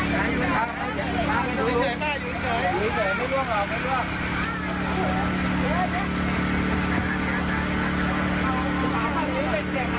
ขาอาทิตย์ปากแล้ว